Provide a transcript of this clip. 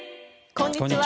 こんにちは。